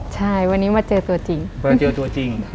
ใช่วันนี้มาเจอตัวจริง